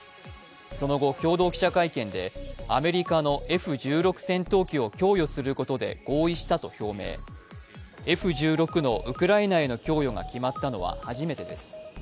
その後共同記者会見でアメリカのＦ−１６戦闘機を供与することで合意したと表明、Ｆ−１６のウクライナへの供与が決まったのは初めてです。